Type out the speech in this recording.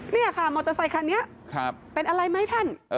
นี่ค่ะมอเตอร์ไซคันนี้เป็นอะไรไหมท่าน